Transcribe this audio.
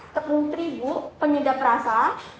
tepung terigu penyedap rasa